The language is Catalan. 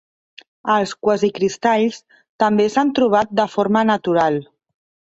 Els quasicristalls també s'han trobat de forma natural.